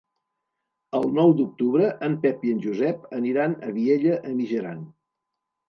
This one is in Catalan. El nou d'octubre en Pep i en Josep aniran a Vielha e Mijaran.